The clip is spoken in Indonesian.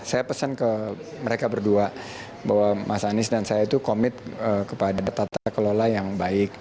saya pesan ke mereka berdua bahwa mas anies dan saya itu komit kepada tata kelola yang baik